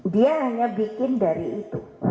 dia hanya bikin dari itu